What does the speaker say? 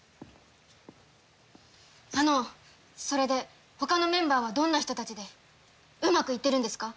あのそれで他のメンバーはどんな人たちでうまくいってるんですか？